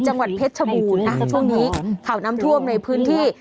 จังหวัดเพชรชบูรณ์นะช่วงนี้ข่าวน้ำท่วมในพื้นที่